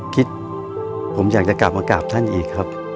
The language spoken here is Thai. คิดผมอยากจะกลับมากราบท่านอีกครับ